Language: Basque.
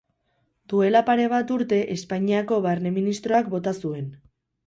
Duela pare bat urte Espainiako Barne ministroak bota zuen.